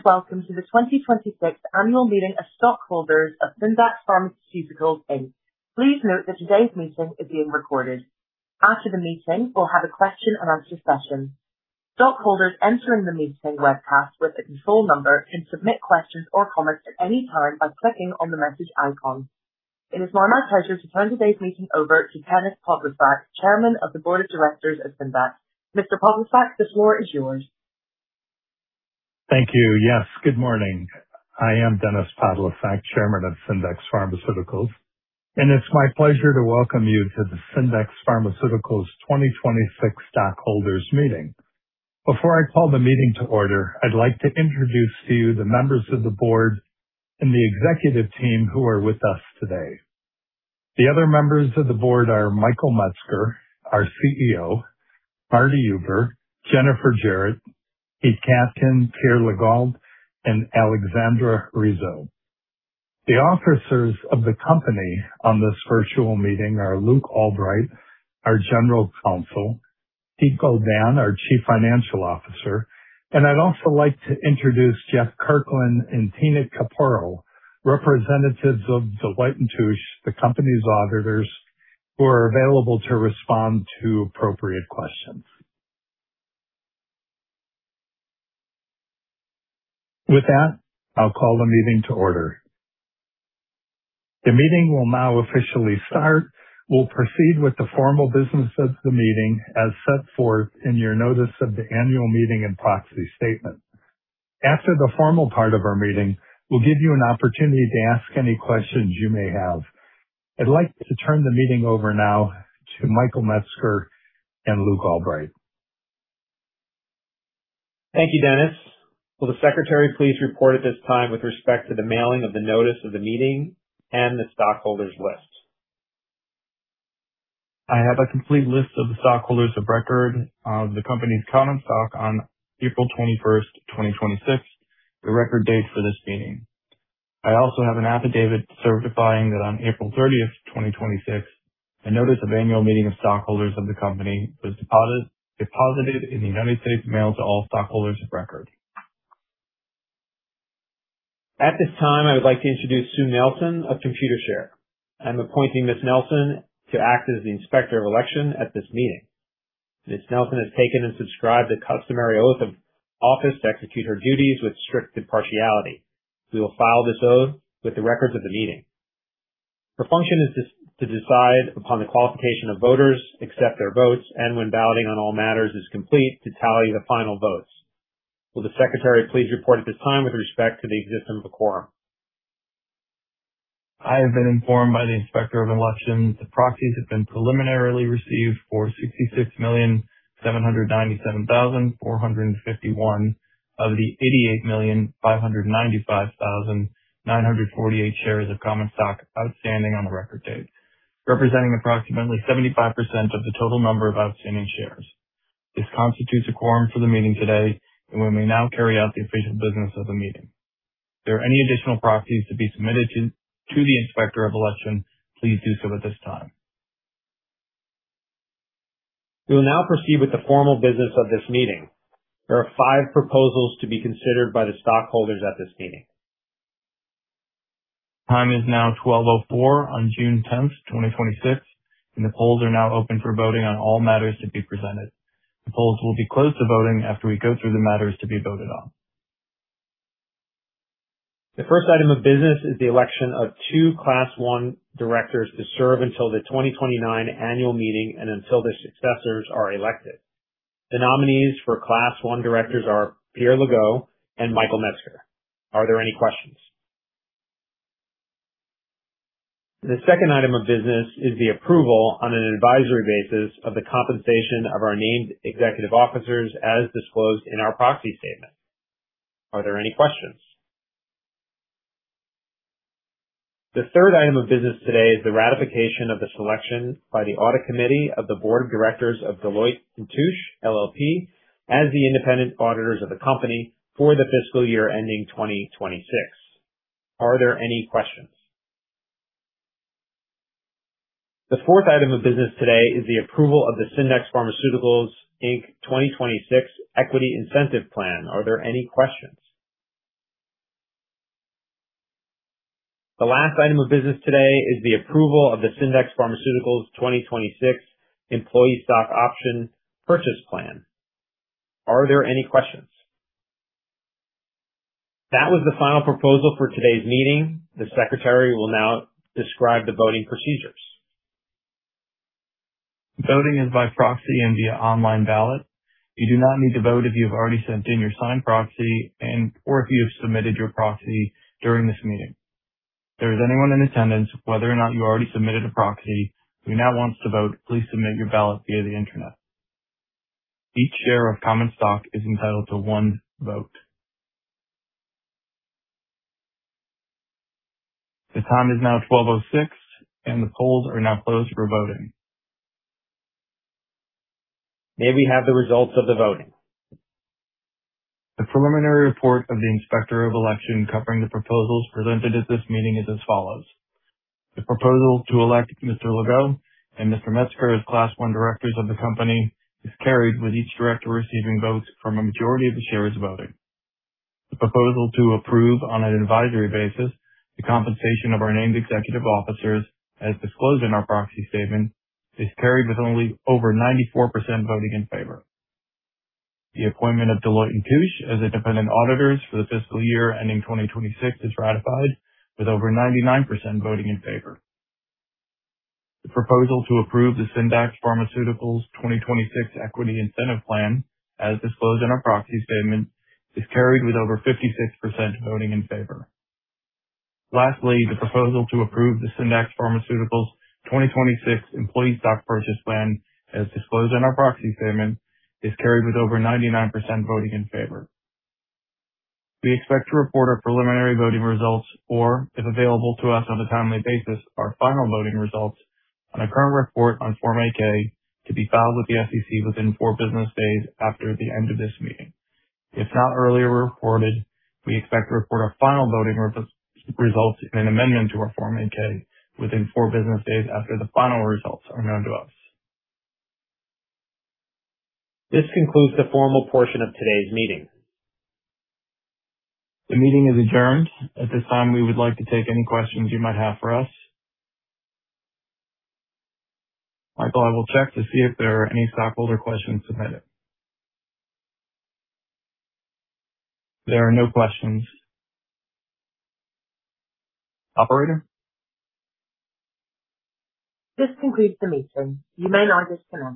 Hello and welcome to the 2026 Annual Meeting of Stockholders of Syndax Pharmaceuticals, Inc. Please note that today's meeting is being recorded. After the meeting, we'll have a question and answer session. Stockholders entering the meeting webcast with a control number can submit questions or comments at any time by clicking on the message icon. It is now my pleasure to turn today's meeting over to Dennis Podlesak, chairman of the board of directors of Syndax. Mr. Podlesak, the floor is yours. Thank you. Yes, good morning. I am Dennis Podlesak, chairman of Syndax Pharmaceuticals, and it's my pleasure to welcome you to the Syndax Pharmaceuticals 2026 stockholders meeting. Before I call the meeting to order, I'd like to introduce to you the members of the board and the executive team who are with us today. The other members of the board are Michael Metzger, our CEO, Martin Huber, Jennifer Jarrett, Keith Katkin, Pierre Legault, and Aleksandra Rizo. The officers of the company on this virtual meeting are Luke Albrecht, our general counsel, Keith Goldan, our Chief Financial Officer, and I'd also like to introduce Jeff Kirkland and Tina Kapoor, representatives of Deloitte & Touche, the company's auditors, who are available to respond to appropriate questions. With that, I'll call the meeting to order. The meeting will now officially start. We'll proceed with the formal business of the meeting as set forth in your notice of the annual meeting and proxy statement. After the formal part of our meeting, we'll give you an opportunity to ask any questions you may have. I'd like to turn the meeting over now to Michael Metzger and Luke Albrecht. Thank you, Dennis. Will the secretary please report at this time with respect to the mailing of the notice of the meeting and the stockholders list? I have a complete list of the stockholders of record of the company's common stock on April 21, 2026, the record date for this meeting. I also have an affidavit certifying that on April 30, 2026, a notice of annual meeting of stockholders of the company was deposited in the United States mail to all stockholders of record. At this time, I would like to introduce Sue Nelson of Computershare. I'm appointing Ms. Nelson to act as the Inspector of Election at this meeting. Ms. Nelson has taken and subscribed the customary oath of office to execute her duties with strict impartiality. We will file this oath with the records of the meeting. Her function is to decide upon the qualification of voters, accept their votes, and when balloting on all matters is complete, to tally the final votes. Will the secretary please report at this time with respect to the existence of a quorum? I have been informed by the Inspector of Election the proxies have been preliminarily received for 66,797,451 of the 88,595,948 shares of common stock outstanding on the record date, representing approximately 75% of the total number of outstanding shares. This constitutes a quorum for the meeting today, and we may now carry out the official business of the meeting. If there are any additional proxies to be submitted to the Inspector of Election, please do so at this time. We will now proceed with the formal business of this meeting. There are five proposals to be considered by the stockholders at this meeting. Time is now 12:04 P.M. on June 10th, 2026. The polls are now open for voting on all matters to be presented. The polls will be closed to voting after we go through the matters to be voted on. The first item of business is the election of two class 1 directors to serve until the 2029 annual meeting and until their successors are elected. The nominees for class 1 directors are Pierre Legault and Michael Metzger. Are there any questions? The second item of business is the approval on an advisory basis of the compensation of our named executive officers as disclosed in our proxy statement. Are there any questions? The third item of business today is the ratification of the selection by the Audit Committee of the board of directors of Deloitte & Touche LLP as the independent auditors of the company for the fiscal year ending 2026. Are there any questions? The fourth item of business today is the approval of the Syndax Pharmaceuticals, Inc. 2026 Equity Incentive Plan. Are there any questions? The last item of business today is the approval of the Syndax Pharmaceuticals 2026 Employee Stock Purchase Plan. Are there any questions? That was the final proposal for today's meeting. The secretary will now describe the voting procedures. Voting is by proxy and via online ballot. You do not need to vote if you have already sent in your signed proxy and/or if you have submitted your proxy during this meeting. If there is anyone in attendance, whether or not you already submitted a proxy, who now wants to vote, please submit your ballot via the Internet. Each share of common stock is entitled to one vote. The time is now 12:06 P.M. The polls are now closed for voting. May we have the results of the voting? The preliminary report of the Inspector of Election covering the proposals presented at this meeting is as follows. The proposal to elect Mr. Legault and Mr. Metzger as class 1 directors of the company is carried with each director receiving votes from a majority of the shares voting. The proposal to approve on an advisory basis the compensation of our named executive officers as disclosed in our proxy statement is carried with only over 94% voting in favor. The appointment of Deloitte & Touche as independent auditors for the fiscal year ending 2026 is ratified with over 99% voting in favor. The proposal to approve the Syndax Pharmaceuticals 2026 Equity Incentive Plan as disclosed in our proxy statement is carried with over 56% voting in favor. Lastly, the proposal to approve the Syndax Pharmaceuticals 2026 Employee Stock Purchase Plan as disclosed in our proxy statement is carried with over 99% voting in favor. We expect to report our preliminary voting results or if available to us on a timely basis, our final voting results on a current report on Form 8-K to be filed with the SEC within 4 business days after the end of this meeting. If not earlier reported, we expect to report our final voting results in an amendment to our Form 8-K within 4 business days after the final results are known to us. This concludes the formal portion of today's meeting. The meeting is adjourned. At this time, we would like to take any questions you might have for us. Michael, I will check to see if there are any stockholder questions submitted. There are no questions. Operator? This concludes the meeting. You may now disconnect.